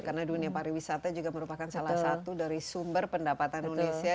karena dunia pariwisata juga merupakan salah satu dari sumber pendapatan indonesia